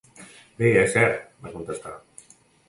"Bé, és cert", va contestar.